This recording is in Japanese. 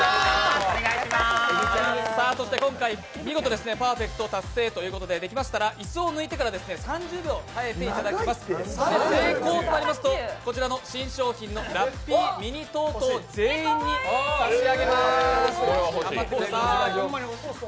そして今回、見事パーフェクト達成ということで、できましたら椅子を抜いてから３０秒耐えていただきます、成功いたしますと、こちらのラッピーミニトートを全員に差し上げます。